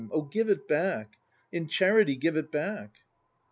Oh, give it back, in charity give it back.